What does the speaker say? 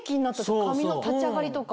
髪の立ち上がりとか。